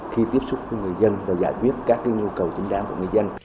khi tiếp xúc với người dân và giải quyết các nhu cầu chính đáng của người dân